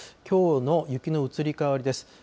きょうの雪の移り変わりです。